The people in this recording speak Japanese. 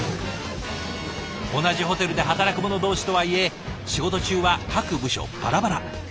同じホテルで働く者同士とはいえ仕事中は各部署バラバラ。